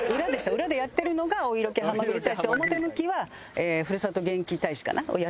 裏でやってるのがお色気ハマグリ大使で表向きはふるさと元気大使かな。をやってるんで。